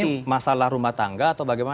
ini masalah rumah tangga atau bagaimana